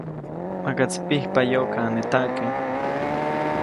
Makaʼtsi pijpayoʼkaʼanetaʼke.